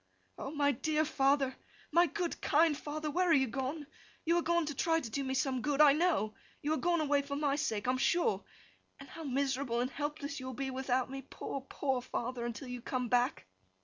'O my dear father, my good kind father, where are you gone? You are gone to try to do me some good, I know! You are gone away for my sake, I am sure! And how miserable and helpless you will be without me, poor, poor father, until you come back!